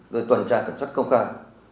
rồi toàn trai cẩn thận công khắc